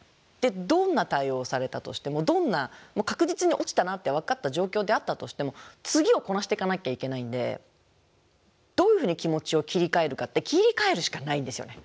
どんな対応をされたとしてもどんな確実に落ちたなって分かった状況であったとしても次をこなしていかなきゃいけないんでどういうふうに気持ちを切り替えるかって切り替えるしかないんですよね。